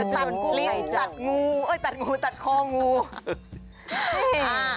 จะตัดลิ้งตัดงูเอ้ยตัดงูตัดคองูเอ้ย